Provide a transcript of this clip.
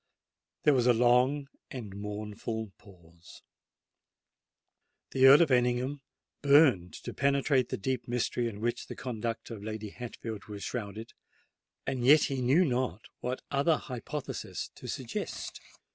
There was a long and mournful pause. The Earl of Ellingham burned to penetrate the deep mystery in which the conduct of Lady Hatfield was shrouded; and yet he knew not what other hypothesis to suggest.